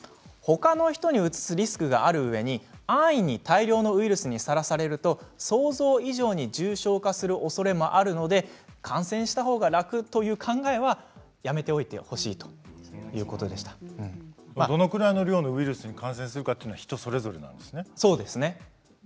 ほかの人にうつすリスクがあるうえに安易に、大量のウイルスにさらされると想像以上に重症化するおそれもあるので感染したほうが楽という考えはやめておいてほしいとどのくらいのウイルス量に感染するかは人それぞれなんですね。